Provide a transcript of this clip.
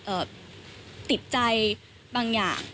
เอ่อติดใจบางอย่าง